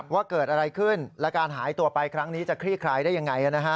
ว่าเกิดอะไรขึ้นและการหายตัวไปครั้งนี้จะคลี่คลายได้ยังไง